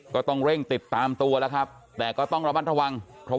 ก็ต้องเร่งติดตามตัวแล้วครับแต่ก็ต้องระมัดระวัง